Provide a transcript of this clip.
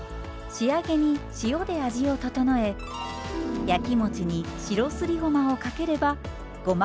仕上げに塩で味を調え焼き餅に白すりごまをかければごましるこの完成です。